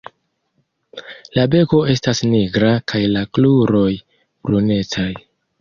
La beko estas nigra kaj la kruroj brunecaj.